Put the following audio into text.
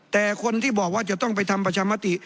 แต่คนที่บอกว่าจะต้องไปทำประชามติ